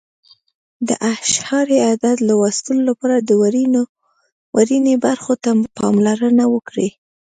د اعشاري عدد لوستلو لپاره د ورنیې برخو ته پاملرنه وکړئ.